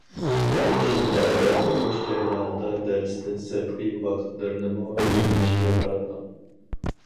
ئۇ شىنجاڭدا ئوقۇش جەريانىدا دەرستىن سىرتقى ۋاقىتلىرىنىمۇ ئۆگىنىشكە قاراتقان.